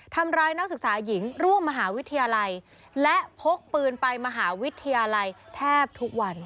นักศึกษาหญิงร่วมมหาวิทยาลัยและพกปืนไปมหาวิทยาลัยแทบทุกวัน